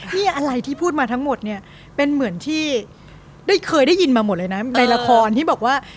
นี่อะไรที่พูดมาทั้งหมดเนี่ยเป็นเหมือนที่ได้เคยได้ยินมาหมดเลยนะในละครที่บอกว่า